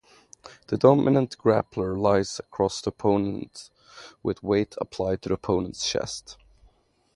The dominant grappler lies across the opponent with weight applied to the opponent's chest.